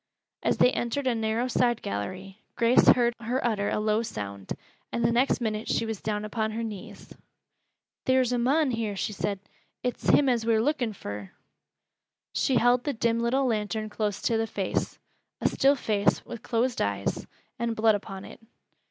As they entered a narrow side gallery, Grace heard her utter a low sound, and the next minute she was down upon her knees. "Theer's a mon here," she said. "It's him as we're lookin' fur." She held the dim little lantern close to the face, a still face with closed eyes, and blood upon it.